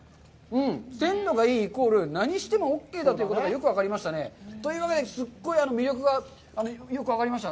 鮮度がいいイコール何してもオーケーだということがよく分かりましたね。というわけで、すごい魅力がよく分かりました。